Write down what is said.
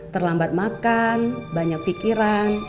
terlambat makan banyak vontik